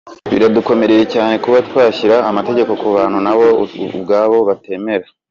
Biradukomereye cyane kuba twashyira amategeko ku bantu nabo ubwabo batemera.